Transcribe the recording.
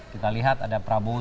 kita lihat ada prabowo